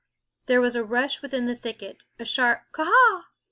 There was a rush within the thicket; a sharp _K a a h!